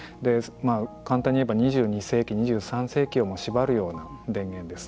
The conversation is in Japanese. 簡単に言えば２２世紀、２３世紀をも縛るような電源です。